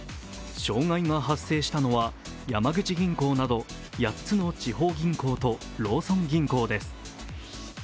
障害が発生したのは山口銀行など８つの地方銀行とローソン銀行です。